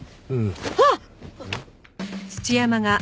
あっ！